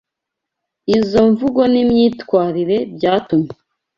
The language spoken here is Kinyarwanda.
Izo mvugo n’imyitwarire byatumye